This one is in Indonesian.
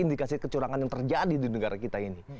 indikasi kecurangan yang terjadi di negara kita ini